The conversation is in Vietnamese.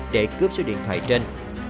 để cướp số điện thoại trên